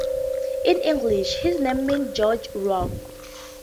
In English, his name means George Rock.